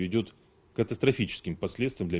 keadaan katastrofis untuk pemerintah dunia